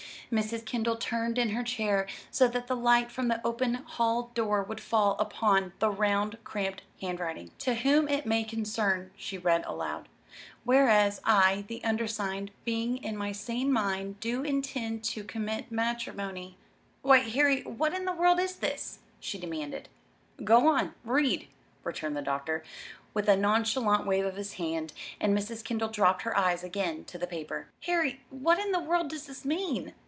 Mrs. Kendall turned in her chair so that the light from the open hall door would fall upon the round, cramped handwriting. "'To whom it may concern,'" she read aloud. "'Whereas, I, the Undersigned, being in my sane Mind do intend to commit Matremony.' Why, Harry, what in the world is this?" she demanded. "Go on, read," returned the doctor, with a nonchalant wave of his hand; and Mrs. Kendall dropped her eyes again to the paper. "Harry, what in the world does this mean?"